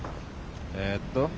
えっと。